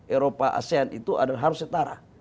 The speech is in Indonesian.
eropa asean itu adalah harus setara